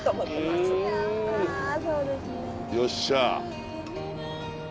よっしゃ。